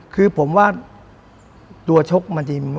คือผมว่าการคลิกหนานี้